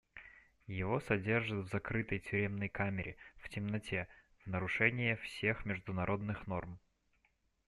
Его содержат в закрытой тюремной камере, в темноте, в нарушение всех международных норм.